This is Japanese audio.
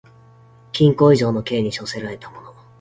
禁錮以上の刑に処せられた者